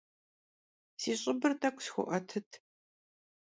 Si ş'ıbır t'ek'u sxue'uetıt.